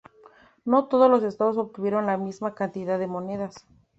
No todos los estados obtuvieron la misma cantidad de monedas.